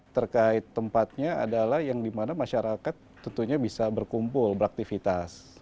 terkait tempatnya adalah yang dimana masyarakat tentunya bisa berkumpul beraktivitas